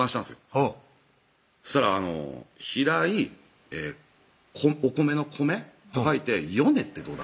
ほうそしたら「平井お米の米と書いて米ってどうだ？」